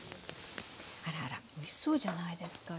あらあらおいしそうじゃないですか？